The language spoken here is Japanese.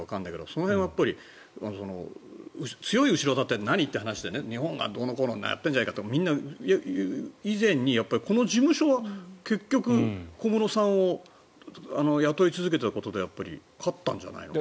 その辺は強い後ろ盾は何？という話で日本がどうのこうのやってるんじゃないかとみんなが言う以前にこの事務所は結局小室さんを雇い続けたことで勝ったんじゃないの？